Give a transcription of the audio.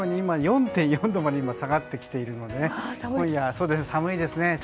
今、４．４度まで下がってきているので今夜、寒いですね。